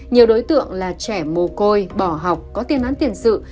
nhiều đối tượng là trẻ mồ côi bỏ học có tiền án tiền sự